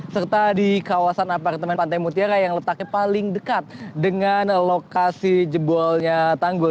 serta di kawasan apartemen pantai mutiara yang letaknya paling dekat dengan lokasi jebolnya tanggul